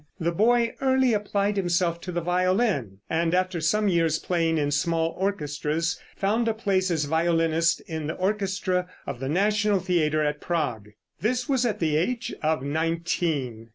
The boy early applied himself to the violin, and after some years' playing in small orchestras, found a place as violinist in the orchestra of the National theater at Prague. This was at the age of nineteen.